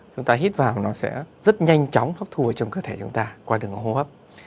chúng ta hít vào nó sẽ rất nhanh chóng lấp thù vào trong cơ thể chúng ta qua đường hô hấp